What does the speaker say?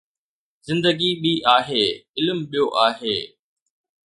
زندگي ٻي آهي، علم ٻيو آهي